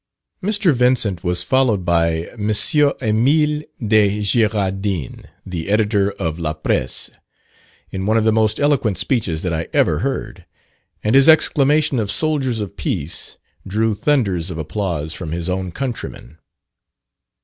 Mr. Vincent was followed by M. Emile de Girardin, the editor of La Presse, in one of the most eloquent speeches that I ever heard; and his exclamation of "Soldiers of Peace," drew thunders of applause from his own countrymen.